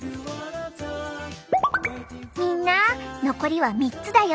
みんな残りは３つだよ！